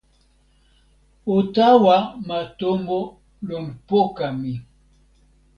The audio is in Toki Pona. o tawa ma tomo lon poka mi.